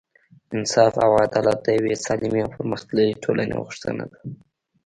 انصاف او عدالت د یوې سالمې او پرمختللې ټولنې غوښتنه ده.